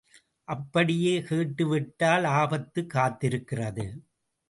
அப்படியே கேட்டு விட்டால் ஆபத்து காத்திருக்கிறது.